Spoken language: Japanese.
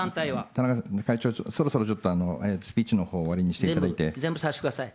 田中会長、そろそろちょっとスピーチのほう終わりにしていただいて。